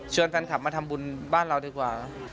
แฟนคลับมาทำบุญบ้านเราดีกว่า